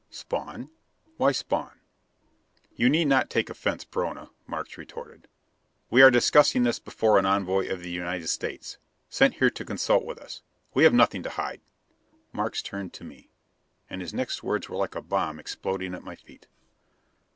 "Spawn? Why Spawn?" "You need not take offense, Perona," Markes retorted. "We are discussing this before an envoy of the United States, sent here to consult with us. We have nothing to hide." Markes turned to me. And his next words were like a bomb exploding at my feet.